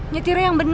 nyetirnya yang bener